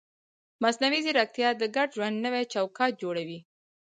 مصنوعي ځیرکتیا د ګډ ژوند نوی چوکاټ جوړوي.